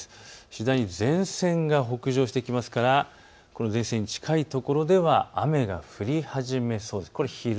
次第に前線が北上してきますから前線に近いところでは雨が降り始めそうです。